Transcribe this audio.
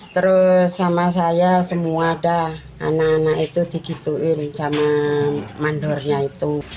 terus sama saya semua dah anak anak itu digituin zaman mandornya itu